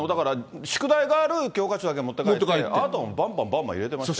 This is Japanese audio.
宿題がある教科書だけ持って帰って、あとはばんばんばん入れてましたよ。